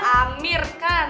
pak amir kan